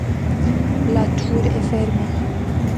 La tour est fermée.